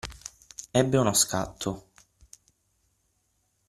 Ebbe uno scatto.